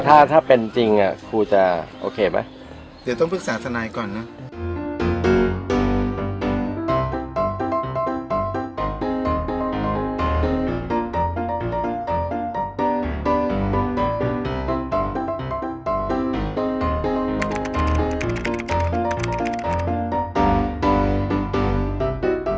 ถ้าถ้าเป็นจริงครูจะโอเคไหมเดี๋ยวต้องปรึกษาทนายก่อนนะ